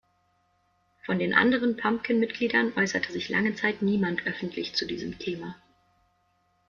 Von den anderen Pumpkin-Mitgliedern äußerte sich lange Zeit niemand öffentlich zu diesem Thema.